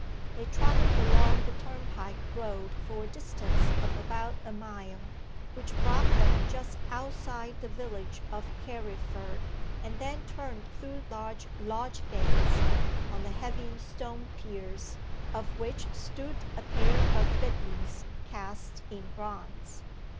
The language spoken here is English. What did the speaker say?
They trotted along the turnpike road for a distance of about a mile, which brought them just outside the village of Carriford, and then turned through large lodge gates, on the heavy stone piers of which stood a pair of bitterns cast in bronze.